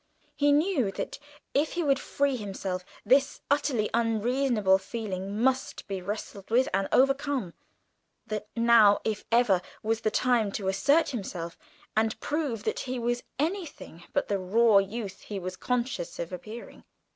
He knew that, if he would free himself, this utterly unreasonable feeling must be wrestled with and overcome; that now, if ever, was the time to assert himself, and prove that he was anything but the raw youth he was conscious of appearing.